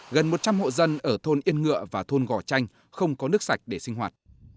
gần một trăm linh hộ dân ở thôn yên ngựa và thôn gò chanh không có nước sạch để sinh hoạt